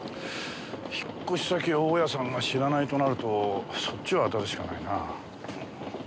引っ越し先を大家さんが知らないとなるとそっちを当たるしかないなあ。